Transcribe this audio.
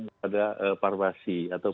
kepada farmasi atau